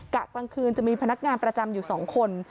กลางคืนจะมีพนักงานประจำอยู่๒คน